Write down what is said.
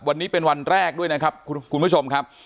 วันนี้เป็นวันแรกด้วยนะครับคุณผู้ชมครับ